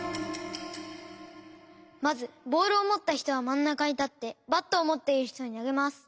まずボールをもったひとはまんなかにたってバットをもっているひとになげます。